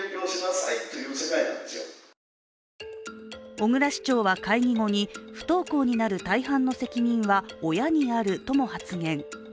小椋市長は会議後に不登校になる大半の責任は親にあるとも発言。